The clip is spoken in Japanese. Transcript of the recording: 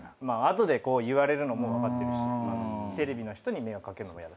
後でこう言われるのも分かってるしテレビの人に迷惑かけるのも嫌だし。